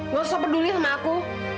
gak usah peduli sama aku